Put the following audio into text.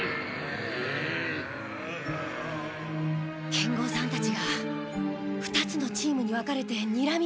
剣豪さんたちが２つのチームに分かれてにらみ合っている。